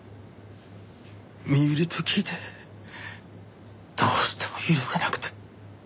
身売りと聞いてどうしても許せなくて。